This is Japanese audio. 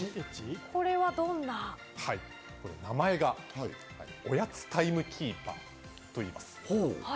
これ名前が、おやつタイムキーパーといいます。